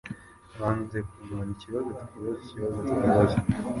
Banze kurwana ikibazo twibaza ikibazo twibaza